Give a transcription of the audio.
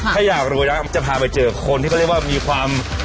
ถ้าอยากรู้แล้วจะพาไปเจอคนที่เขาเรียกว่ามีความ